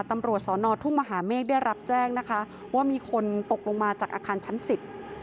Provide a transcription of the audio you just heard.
ตำรวจสอนอทุ่งมหาเมฆได้รับแจ้งนะคะว่ามีคนตกลงมาจากอาคารชั้นสิบ